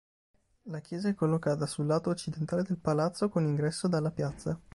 La chiesa è collocata sul lato occidentale del palazzo con ingresso dalla piazza.